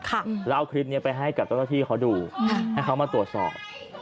ค่ะแล้วเอาคลิปเนี้ยไปให้กับเจ้าหน้าที่เขาดูให้เขามาตรวจสอบ